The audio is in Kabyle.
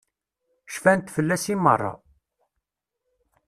Cfant fell-as i meṛṛa.